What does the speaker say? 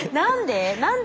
何で？